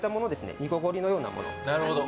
煮こごりのようなもの。